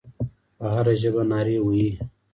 په هره ژبه نارې وهي.